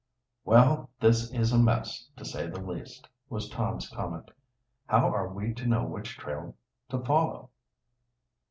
"Well, this is a mess, to say the least," was Tom's comment. "How are we to know which trail to follow?"